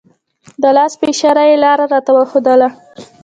د لاس په اشاره یې لاره راته وښودله.